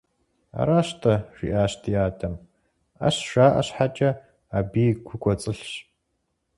– Аращ–тӀэ, – жиӀащ ди адэм, – Ӏэщ жаӀэ щхьэкӀэ, абыи гу кӀуэцӀылъщ.